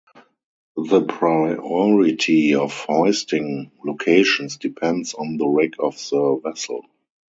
The priority of hoisting locations depends on the rig of the vessel.